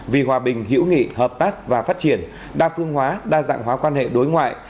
vì hòa bình hữu nghị hợp tác và phát triển đa phương hóa đa dạng hóa quan hệ đối ngoại